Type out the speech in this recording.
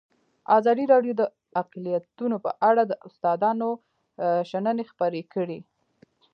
ازادي راډیو د اقلیتونه په اړه د استادانو شننې خپرې کړي.